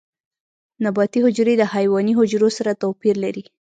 نباتي حجرې د حیواني حجرو سره توپیر لري